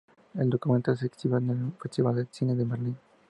El documental se exhibió en el Festival de Cine de Berlín.